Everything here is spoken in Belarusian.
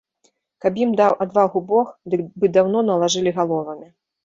Каб ім даў адвагу бог, дык бы даўно налажылі галовамі.